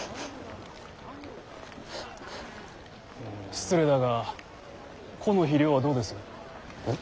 失礼だがこの肥料はどうです？